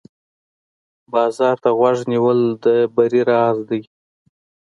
بازار ته غوږ نیول د بری راز دی.